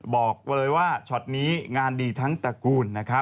บอกเลยว่าช็อตนี้งานดีทั้งตระกูลนะครับ